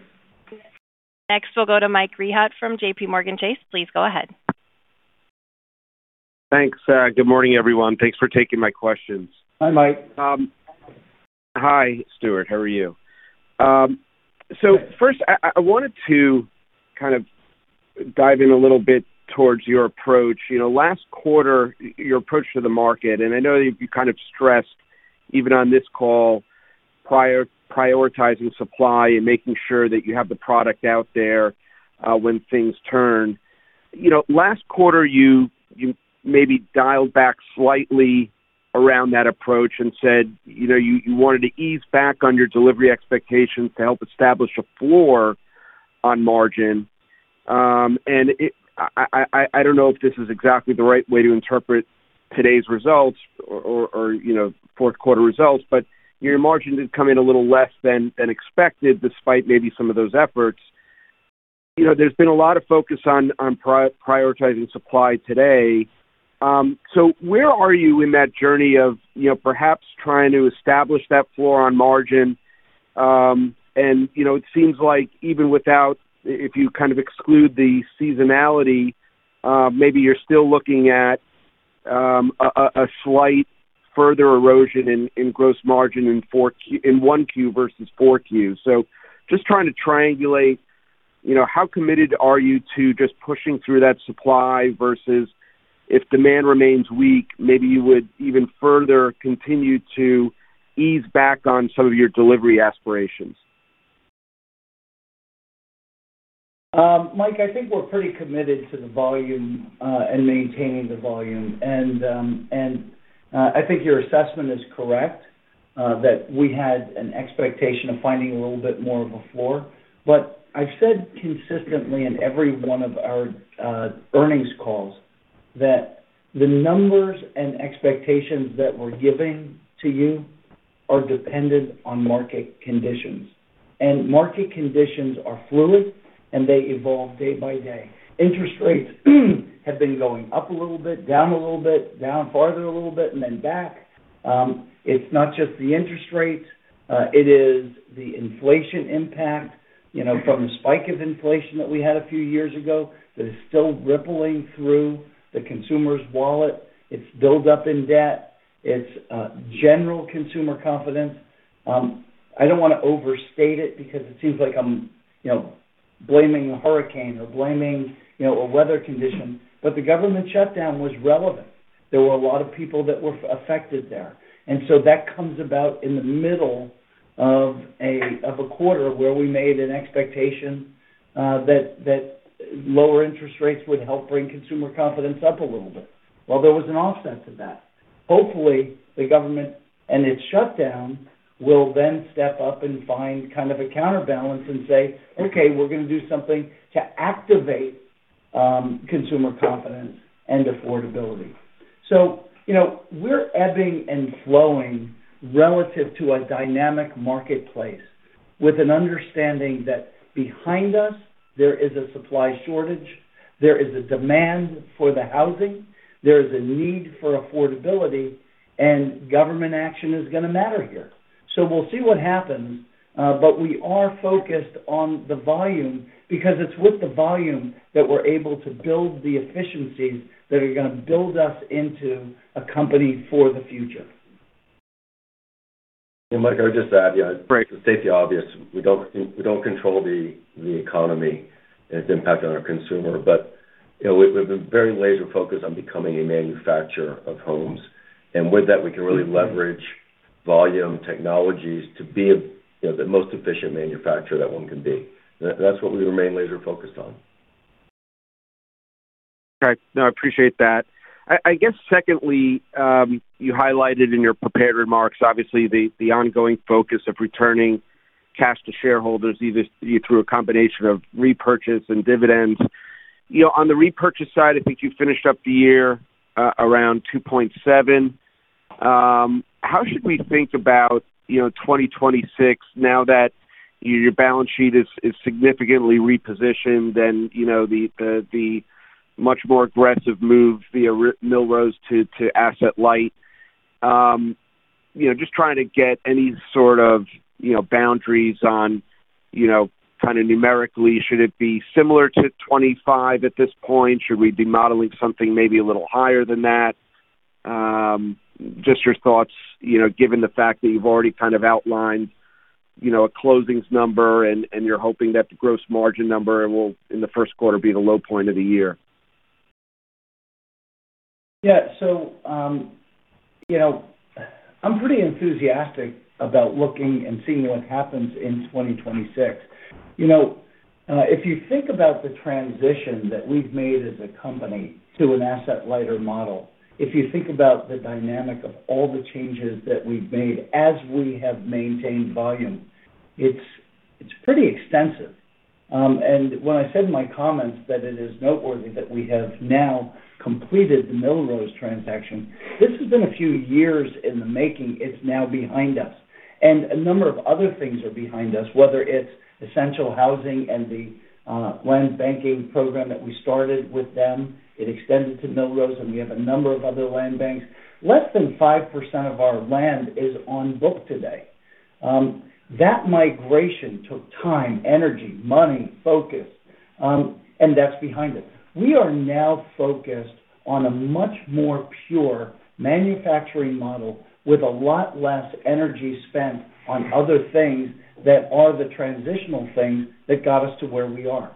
Next, we'll go to Mike Rehaut from JPMorgan Chase. Please go ahead. Thanks. Good morning, everyone. Thanks for taking my questions. Hi, Mike. Hi, Stuart. How are you? So first, I wanted to kind of dive in a little bit towards your approach. Last quarter, your approach to the market, and I know you kind of stressed even on this call prioritizing supply and making sure that you have the product out there when things turn. Last quarter, you maybe dialed back slightly around that approach and said you wanted to ease back on your delivery expectations to help establish a floor on margin. I don't know if this is exactly the right way to interpret today's results or fourth-quarter results, but your margin did come in a little less than expected despite maybe some of those efforts. There's been a lot of focus on prioritizing supply today. Where are you in that journey of perhaps trying to establish that floor on margin? It seems like even without, if you kind of exclude the seasonality, maybe you're still looking at a slight further erosion in gross margin in 1Q versus 4Q. Just trying to triangulate, how committed are you to just pushing through that supply versus if demand remains weak, maybe you would even further continue to ease back on some of your delivery aspirations? Mike, I think we're pretty committed to the volume and maintaining the volume. And I think your assessment is correct that we had an expectation of finding a little bit more of a floor. But I've said consistently in every one of our earnings calls that the numbers and expectations that we're giving to you are dependent on market conditions. And market conditions are fluid, and they evolve day by day. Interest rates have been going up a little bit, down a little bit, down farther a little bit, and then back. It's not just the interest rates. It is the inflation impact from the spike of inflation that we had a few years ago that is still rippling through the consumer's wallet. It's built up in debt. It's general consumer confidence. I don't want to overstate it because it seems like I'm blaming a hurricane or blaming a weather condition, but the government shutdown was relevant. There were a lot of people that were affected there. And so that comes about in the middle of a quarter where we made an expectation that lower interest rates would help bring consumer confidence up a little bit. Well, there was an offset to that. Hopefully, the government and its shutdown will then step up and find kind of a counterbalance and say, "Okay, we're going to do something to activate consumer confidence and affordability." So we're ebbing and flowing relative to a dynamic marketplace with an understanding that behind us, there is a supply shortage. There is a demand for the housing. There is a need for affordability, and government action is going to matter here. So we'll see what happens, but we are focused on the volume because it's with the volume that we're able to build the efficiencies that are going to build us into a company for the future. And Mike, I would just add, to state the obvious, we don't control the economy and its impact on our consumer, but we've been very laser-focused on becoming a manufacturer of homes. And with that, we can really leverage volume technologies to be the most efficient manufacturer that one can be. That's what we remain laser-focused on. Okay. No, I appreciate that. I guess, secondly, you highlighted in your prepared remarks, obviously, the ongoing focus of returning cash to shareholders, either through a combination of repurchase and dividends. On the repurchase side, I think you finished up the year around 2.7. How should we think about 2026 now that your balance sheet is significantly repositioned and the much more aggressive move via Millrose to asset-light? Just trying to get any sort of boundaries on kind of numerically, should it be similar to 25 at this point? Should we be modeling something maybe a little higher than that? Just your thoughts, given the fact that you've already kind of outlined a closings number and you're hoping that the gross margin number will, in the first quarter, be the low point ofthe year. Yeah. So I'm pretty enthusiastic about looking and seeing what happens in 2026. If you think about the transition that we've made as a company to an asset-lighter model, if you think about the dynamic of all the changes that we've made as we have maintained volume, it's pretty extensive. And when I said in my comments that it is noteworthy that we have now completed the Millrose transaction, this has been a few years in the making. It's now behind us. And a number of other things are behind us, whether it's Essential Housing and the land banking program that we started with them. It extended to Millrose, and we have a number of other land banks. Less than 5% of our land is on book today. That migration took time, energy, money, focus, and that's behind us. We are now focused on a much more pure manufacturing model with a lot less energy spent on other things that are the transitional things that got us to where we are.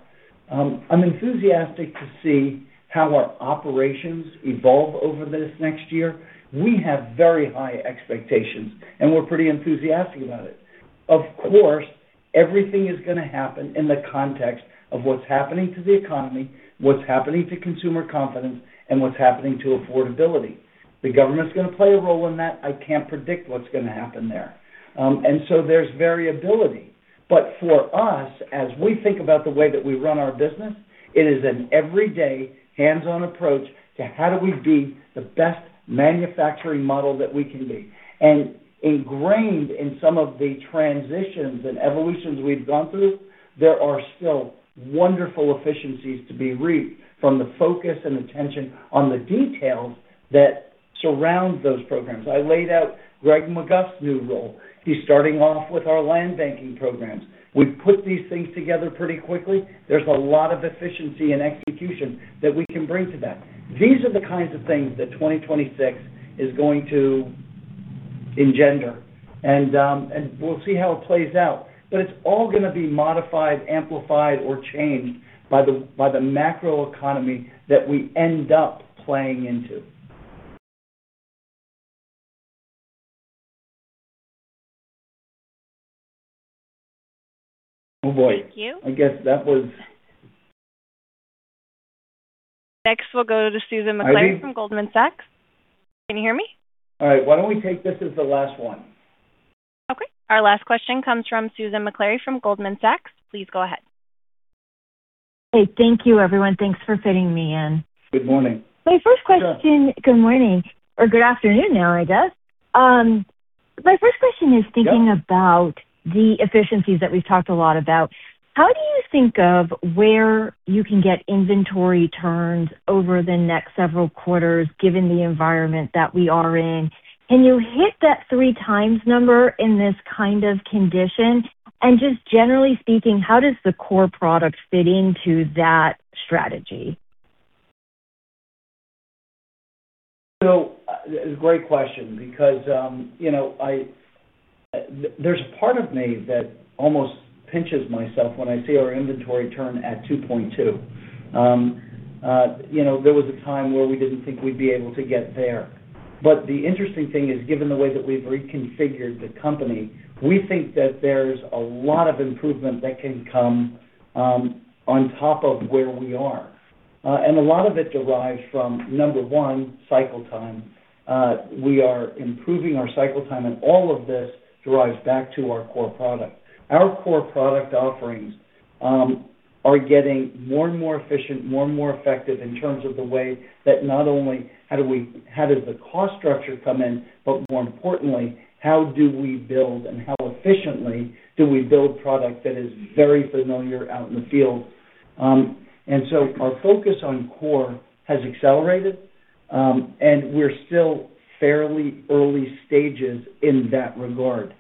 I'm enthusiastic to see how our operations evolve over this next year. We have very high expectations, and we're pretty enthusiastic about it. Of course, everything is going to happen in the context of what's happening to the economy, what's happening to consumer confidence, and what's happening to affordability. The government's going to play a role in that. I can't predict what's going to happen there. And so there's variability. But for us, as we think about the way that we run our business, it is an everyday hands-on approach to how do we be the best manufacturing model that we can be. And ingrained in some of the transitions and evolutions we've gone through, there are still wonderful efficiencies to be reaped from the focus and attention on the details that surround those programs. I laid out Greg McGuff's new role. He's starting off with our land banking programs. We've put these things together pretty quickly. There's a lot of efficiency and execution that we can bring to that. These are the kinds of things that 2026 is going to engender and we'll see how it plays out, but it's all going to be modified, amplified, or changed by the macroeconomy that we end up playing into. Oh, boy. Thank you. I guess that was. Next, we'll go to Susan Maklari from Goldman Sachs. Can you hear me? All right. Why don't we take this as the last one? Okay. Our last question comes from Susan Maklari from Goldman Sachs. Please go ahead. Hey, thank you, everyone. Thanks for fitting me in. Good morning. Good morning or good afternoon now, I guess. My first question is thinking about the efficiencies that we've talked a lot about. How do you think of where you can get inventory turns over the next several quarters, given the environment that we are in? Can you hit that three-times number in this kind of condition? And just generally speaking, how does the core product fit into that strategy? So it's a great question because there's a part of me that almost pinches myself when I see our inventory turn at 2.2. There was a time where we didn't think we'd be able to get there. But the interesting thing is, given the way that we've reconfigured the company, we think that there's a lot of improvement that can come on top of where we are. And a lot of it derives from, number one, cycle time. We are improving our cycle time, and all of this derives back to our core product. Our core product offerings are getting more and more efficient, more and more effective in terms of the way that not only how does the cost structure come in, but more importantly, how do we build and how efficiently do we build product that is very familiar out in the field? And so our focus on core has accelerated, and we're still fairly early stages in that regard.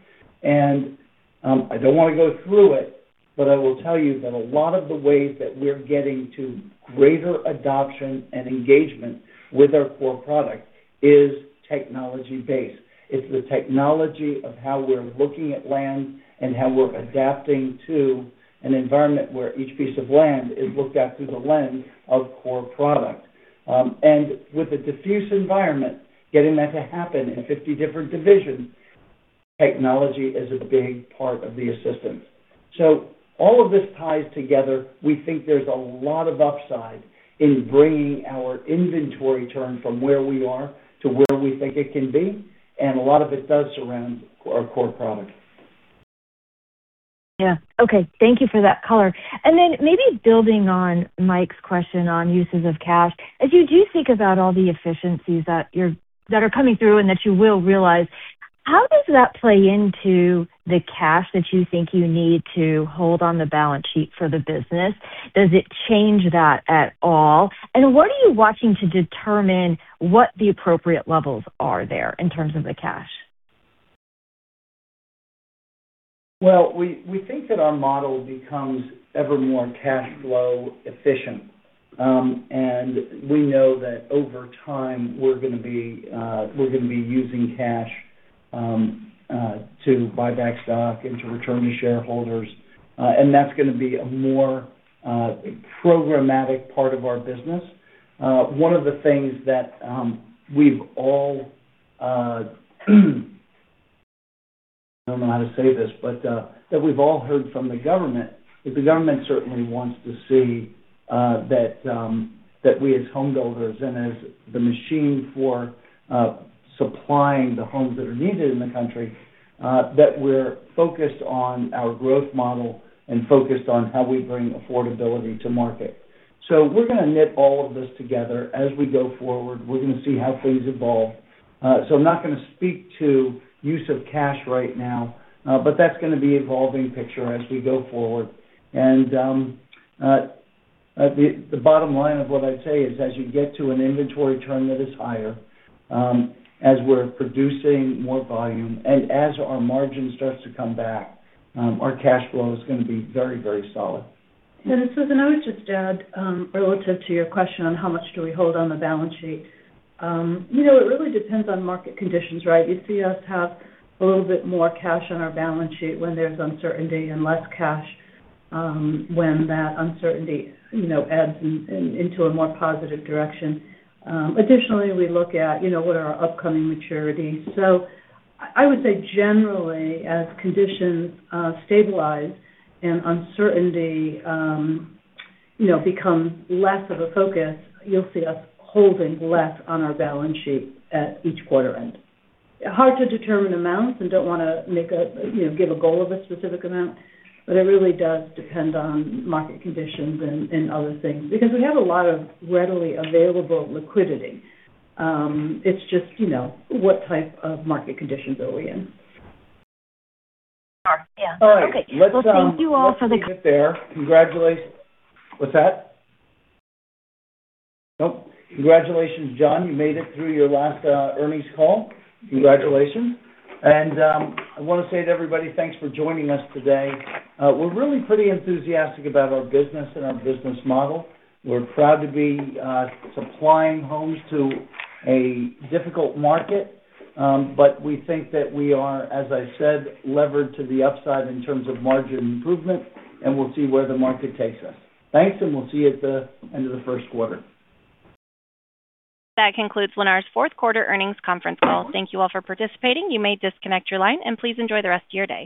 And I don't want to go through it, but I will tell you that a lot of the ways that we're getting to greater adoption and engagement with our core product is technology-based. It's the technology of how we're looking at land and how we're adapting to an environment where each piece of land is looked at through the lens of core product. With a diffuse environment, getting that to happen in 50 different divisions, technology is a big part of the assistance. All of this ties together. We think there's a lot of upside in bringing our inventory turn from where we are to where we think it can be. A lot of it does surround our core product. Yeah. Okay. Thank you for that color. Maybe building on Mike's question on uses of cash, as you do think about all the efficiencies that are coming through and that you will realize, how does that play into the cash that you think you need to hold on the balance sheet for the business? Does it change that at all? What are you watching to determine what the appropriate levels are there in terms of the cash? We think that our model becomes ever more cash flow efficient. And we know that over time, we're going to be using cash to buy back stock and to return to shareholders. And that's going to be a more programmatic part of our business. One of the things that we've all, I don't know how to say this, but that we've all heard from the government is the government certainly wants to see that we, as home builders and as the machine for supplying the homes that are needed in the country, that we're focused on our growth model and focused on how we bring affordability to market. So we're going to knit all of this together as we go forward. We're going to see how things evolve. So I'm not going to speak to use of cash right now, but that's going to be an evolving picture as we go forward. And the bottom line of what I'd say is, as you get to an inventory turn that is higher, as we're producing more volume, and as our margin starts to come back, our cash flow is going to be very, very solid. And Susan, I would just add, relative to your question on how much do we hold on the balance sheet, it really depends on market conditions, right? You see us have a little bit more cash on our balance sheet when there's uncertainty and less cash when that uncertainty adds into a more positive direction. Additionally, we look at what are our upcoming maturities. So I would say, generally, as conditions stabilize and uncertainty becomes less of a focus, you'll see us holding less on our balance sheet at each quarter end. Hard to determine amounts and don't want to give a goal of a specific amount, but it really does depend on market conditions and other things because we have a lot of readily available liquidity. It's just what type of market conditions are we in? Sure. Yeah. All right. Okay. Well, thank you all for the— Congratulations, Jon. You made it through your last earnings call. Congratulations. And I want to say to everybody, thanks for joining us today. We're really pretty enthusiastic about our business and our business model. We're proud to be supplying homes to a difficult market, but we think that we are, as I said, levered to the upside in terms of margin improvement, and we'll see where the market takes us. Thanks, and we'll see you at the end of the first quarter. That concludes Lennar's fourth quarter earnings conference call. Thank you all for participating. You may disconnect your line, and please enjoy the rest of your day.